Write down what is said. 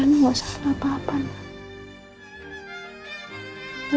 rena nggak salah apa apa ma